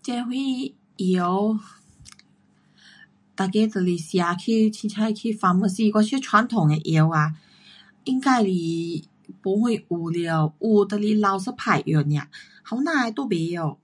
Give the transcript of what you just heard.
这什药，每个就是吃去随便去 pharmacy，我觉得传统的药啊，应该是没什有了，有就是老一派用 nia, 年轻的都甭晓。